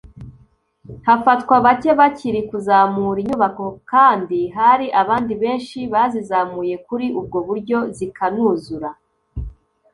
hafatwa bake bakiri kuzamura inyubako kandi hari abandi benshi bazizamuye kuri ubwo buryo zikanuzura